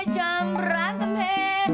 jangan berantem hei